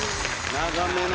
長めの。